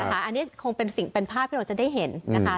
อันนี้คงเป็นสิ่งเป็นภาพที่เราจะได้เห็นนะคะ